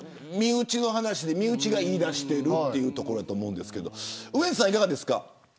身内の話で身内が言い出してるというところだと思うんですけどウエンツさんいかがですか。